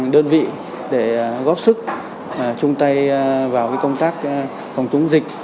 đơn vị để góp sức chung tay vào công tác phòng chống dịch